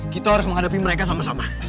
kita harus menghadapi mereka sama sama